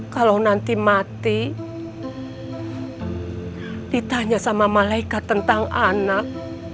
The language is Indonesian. kalau nanti mati ditanya sama malaikat tentang anak